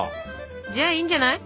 じゃあいいんじゃない。